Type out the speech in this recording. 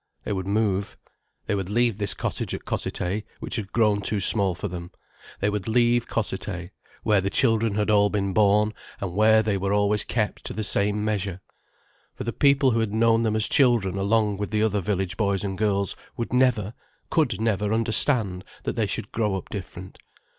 They would move. They would leave this cottage at Cossethay which had grown too small for them; they would leave Cossethay, where the children had all been born, and where they were always kept to the same measure. For the people who had known them as children along with the other village boys and girls would never, could never understand that they should grow up different.